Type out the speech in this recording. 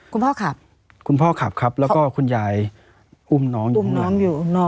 คุณพ่อขับคุณพ่อขับครับแล้วก็คุณยายอุ้มน้องอยู่อุ้มน้องอยู่